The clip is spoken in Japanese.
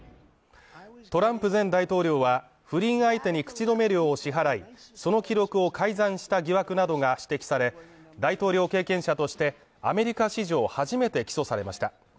トランプ前大統領は不倫相手に口止め料を支払い、その記録を改ざんした疑惑などが指摘され、大統領経験者として、アメリカ史上初めて起訴されました。